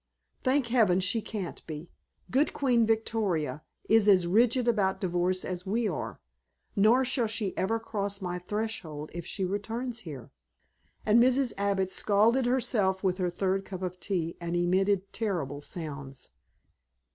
Thank heaven she can't be. Good Queen Victoria is as rigid about divorce as we are. Nor shall she ever cross my threshold if she returns here." And Mrs. Abbott scalded herself with her third cup of tea and emitted terrible sounds.